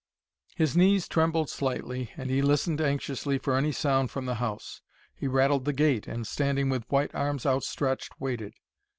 His knees trembled slightly and he listened anxiously for any sound from the house. He rattled the gate and, standing with white arms outstretched, waited.